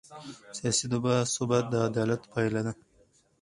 سیاسي ثبات د عدالت پایله ده